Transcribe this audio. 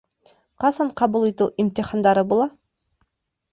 Ҡасан ҡабул итеү имтихандары була?